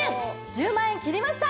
１０万円切りました！